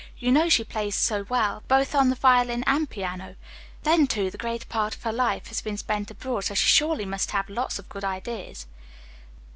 You know she plays so well, both on the violin and piano, then, too, the greater part of her life has been spent abroad, so she surely must have lots of good ideas.